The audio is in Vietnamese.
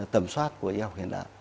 tẩm soát của y học hiện đại